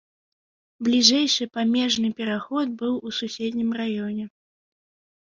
Бліжэйшы памежны пераход быў у суседнім раёне.